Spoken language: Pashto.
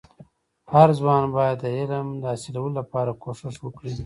هرځوان باید د علم د حاصلولو لپاره کوښښ وکړي.